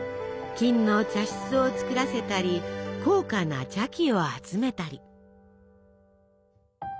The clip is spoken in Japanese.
金の茶室を作らせたり高価な茶器を集めたり。